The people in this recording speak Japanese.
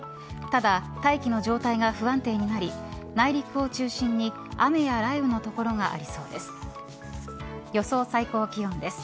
ただ、大気の状態が不安定になり内陸を中心に雨や雷雨の所がありそうです。